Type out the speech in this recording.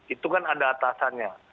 itu kan ada atasannya